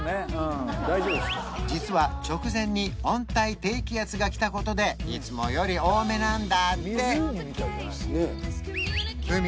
実は直前に温帯低気圧が来たことでいつもより多めなんだって